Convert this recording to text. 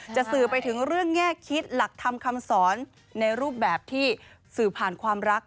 สื่อไปถึงเรื่องแง่คิดหลักธรรมคำสอนในรูปแบบที่สื่อผ่านความรัก